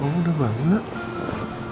oh udah bangun nak